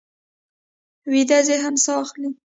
ویده ذهن ساه اخلي